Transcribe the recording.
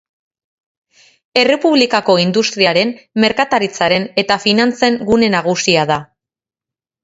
Errepublikako industriaren, merkataritzaren eta finantzen gune nagusia da.